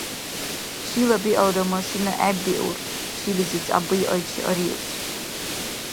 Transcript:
Чила-биалра машина гӀеббиур, шилизи цӀяббиайчи ариус